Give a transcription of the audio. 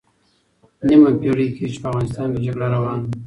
نیمه پېړۍ کېږي چې په افغانستان کې جګړه روانه ده.